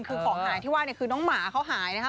คือของหายที่ว่าเนี่ยคือน้องหมาเขาหายนะคะ